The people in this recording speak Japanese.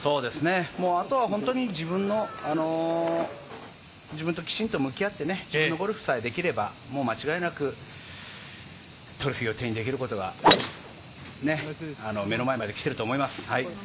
あとは本当に自分ときちんと向き合って、ゴルフさえできれば、間違いなくトロフィーを手にできることが、もう目の前まで来ていると思います。